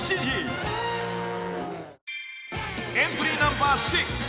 ［エントリーナンバー６］